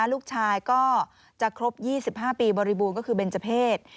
ลูกชายก็จะครบ๒๕ปีบริบูรณ์ก็คือเบนเจอร์เพศ